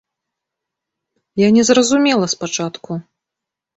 Я не зразумела спачатку.